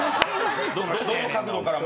どの角度からも。